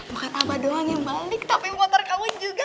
maka tambah doanya balik tapi memutar kamu juga ya